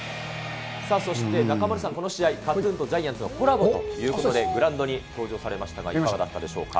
さあ、そして中丸さん、この試合、ＫＡＴーＴＵＮとジャイアンツのコラボということで、グラウンドに登場されましたが、いかがでしたでしょうか。